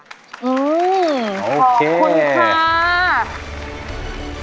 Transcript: อืมขอบคุณค่ะ